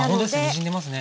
にじんでますね。